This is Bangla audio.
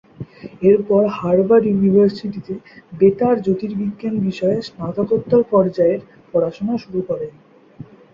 এরপর হার্ভার্ড ইউনিভার্সিটিতে বেতার জ্যোতির্বিজ্ঞান বিষয়ে স্নাতকোত্তর পর্যায়ের পড়াশোনা শুরু করেন।